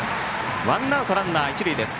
ワンアウトランナー、一塁です。